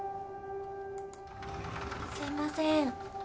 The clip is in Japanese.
・・すいません。